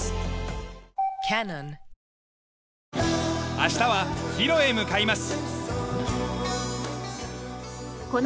明日はヒロへ向かいます。